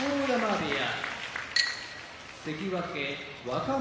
部屋